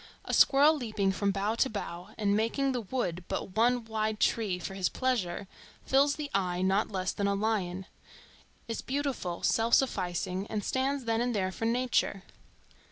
A squirrel leaping from bough to bough and making the Wood but one wide tree for his pleasure, fills the eye not less than a lion,—is beautiful, self sufficing, and stands then and there for nature.